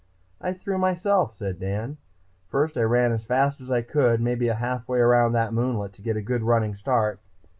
"I threw myself," said Dan. "First I ran as fast as I could, maybe halfway around that moonlet, to get a good running start.